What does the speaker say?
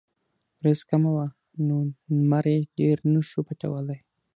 وريځ کمه وه نو نمر يې ډېر نۀ شو پټولے ـ